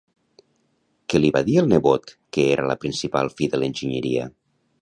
Què li va dir el nebot que era la principal fi de l'enginyeria?